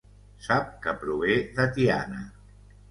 Sap que prové de Tiana.